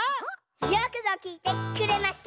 よくぞきいてくれました！